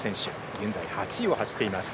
現在、８位を走っています。